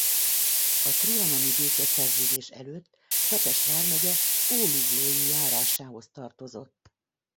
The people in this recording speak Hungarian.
A trianoni békeszerződés előtt Szepes vármegye Ólublói járásához tartozott.